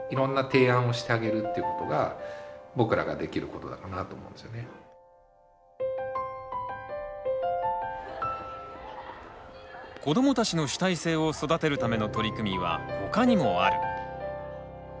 そのかわり子どもたちの主体性を育てるための取り組みは他にもある。